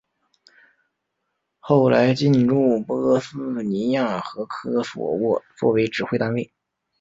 后来进驻波斯尼亚和科索沃作为指挥单位。